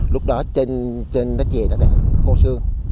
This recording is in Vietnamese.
lúc đó trên đất chè nó đã khô xương